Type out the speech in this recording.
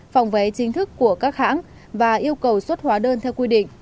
phòng vé chính thức của các hãng và yêu cầu xuất hóa đơn theo quy định